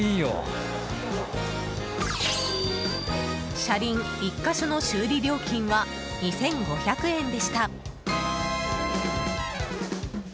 車輪１か所の修理料金は２５００円でした。